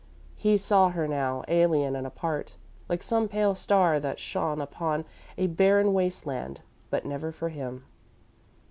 He saw her now, alien and apart, like some pale star that shone upon a barren waste, but never for him.